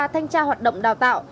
thanh tra hoạt động đào tạo